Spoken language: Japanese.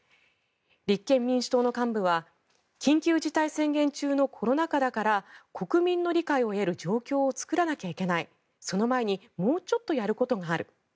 立憲民主党の幹部は緊急事態宣言中のコロナ禍だから国民の理解を得る状況を作らなきゃいけないその前にもうちょっとやることがある。